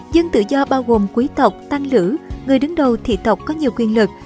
dân tự do bao gồm quý tộc tăng lữ người đứng đầu thị tộc có nhiều quyền lực